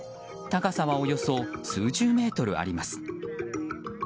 高さはおよそ数十メートルあります。